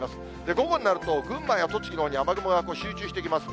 午後になると、群馬や栃木のほうに雨雲が集中してきます。